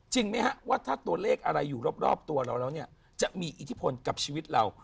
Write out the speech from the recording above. ไหมฮะว่าถ้าตัวเลขอะไรอยู่รอบตัวเราแล้วเนี่ยจะมีอิทธิพลกับชีวิตเรา